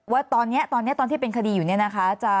ว่าตอนนี้ตอนที่เป็นคดีอยู่เนี่ยนะคะ